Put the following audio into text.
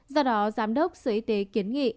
do đó giám đốc sở y tế kiến nghị